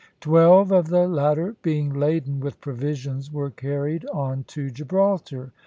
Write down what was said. Twelve of the latter being laden with provisions were carried on to Gibraltar.